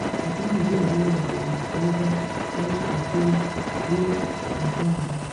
Akuna njia ingine yaku weza kama atu rime mashamba